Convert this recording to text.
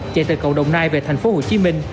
chạy từ cầu đồng nai về tp hcm